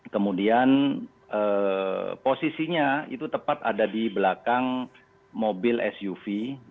kemudian posisinya itu tepat ada di belakang mobil suv